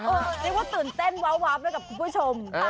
เออนี่ว่าตื่นเต้นว้าวว้าวไปกับคุณผู้ชมอ่า